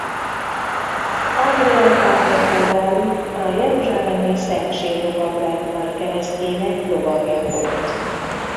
Andrea Carlo Ferrari a Jeruzsálemi Szent Sír Lovagrend Nagykeresztjének lovagja volt.